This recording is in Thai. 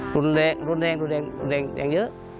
รุนแรงยังเยอะ